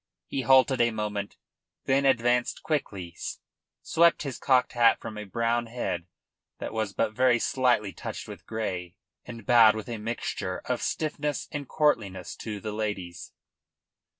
He halted a moment, then advanced quickly, swept his cocked hat from a brown head that was but very slightly touched with grey, and bowed with a mixture of stiffness and courtliness to the ladies.